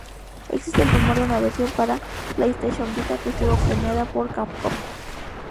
Existe el rumor de una versión para PlayStation Vita que estuvo planeada por Capcom.